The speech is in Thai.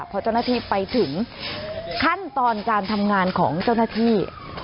พอเจ้าหน้าที่ไปถึงขั้นตอนการทำงานของเจ้าหน้าที่